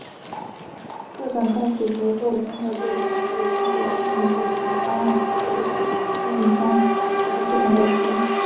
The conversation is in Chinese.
各种代数结构中的对象可以通过定义不同的二元运算得到不同的积。